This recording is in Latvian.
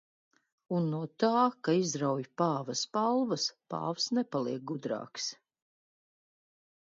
Un no tā, ka izrauj pāva spalvas, pāvs nepaliek gudrāks.